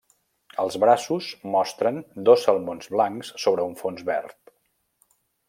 Els braços mostren dos salmons blancs sobre un fons verd.